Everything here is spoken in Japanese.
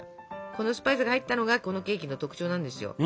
このスパイスが入ったのがこのケーキの特徴なんですよ。